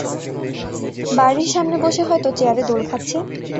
বাড়ির সামনে বসে হয়ত চেয়ারে দোল খাচ্ছে।